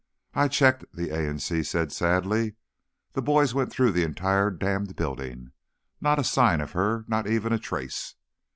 "I checked," the A in C said sadly. "The boys went through the entire damned building. Not a sign of her. Not even a trace."